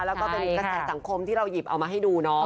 แล้วก็เป็นกระแสสังคมที่เราหยิบเอามาให้ดูเนาะ